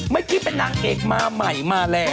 เมื่อกี้เป็นนางเอกมาใหม่มาแล้ว